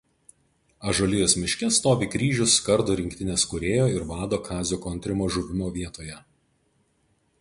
Ąžuolijos miške stovi kryžius Kardo rinktinės kūrėjo ir vado Kazio Kontrimo žuvimo vietoje.